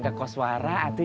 ya bisa rusak